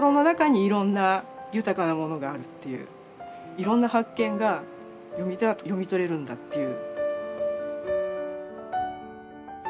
いろんな発見が読み手は読み取れるんだっていう。